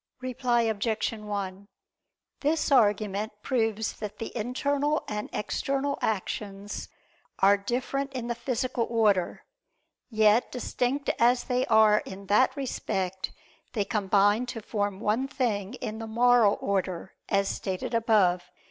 Reply Obj. 1: This argument proves that the internal and external actions are different in the physical order: yet distinct as they are in that respect, they combine to form one thing in the moral order, as stated above (Q.